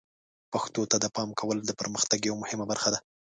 پښتو ته د پام ورکول د پرمختګ یوه مهمه برخه ده.